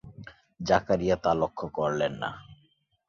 জাকারিয়া তা লক্ষ করলেন না।